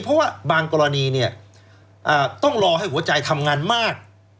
เพราะว่าบางกรณีเนี่ยต้องรอให้หัวใจทำงานมาก